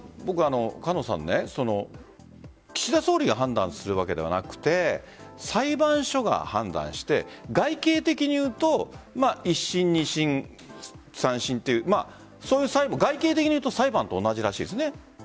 岸田総理が判断するわけではなくて裁判所が判断して外形的に言うと一審、二審、三審というそういう外形的にいうと裁判と同じらしいですね。